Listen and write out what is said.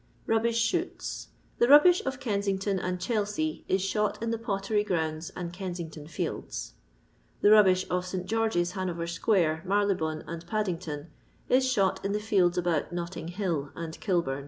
R}ihbish shooU. The rubbish of Eensiaiton and Chelsea is shot in the Pottery Gronnoiand Kensington fields. The rubbish of St George's Hanover square, Marylebone, and Paddington, is shot in the fields about Notting hill and Kilbum.